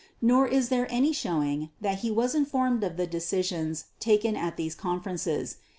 Nor is there any showing that he was informed of the decisions taken at these conferences.